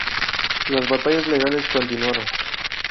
Las batallas legales continuaron.